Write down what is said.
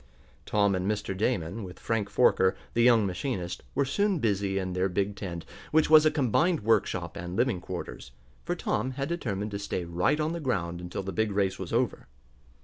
Tom and Mr. Damon, with Frank Forker, the young machinist, were soon busy in their big tent, which was a combined workshop and living quarters, for Tom had determined to stay right on the ground until the big race was over.